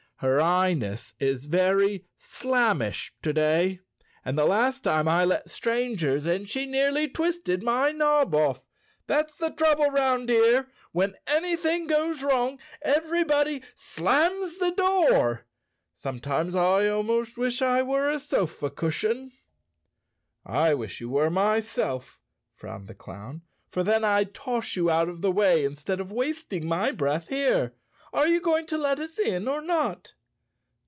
Her highness is very slammish to day, and the last time I let strangers in she nearly twisted my knob off. That's the trouble around here—when anything goes wrong, everybody slams the door. Sometimes I almost wish I were a sofa cushion." "I wish you were, myself," frowned the clown, "for then I'd toss you out of the way instead of wasting my breath here. Are you going to let us in or not?"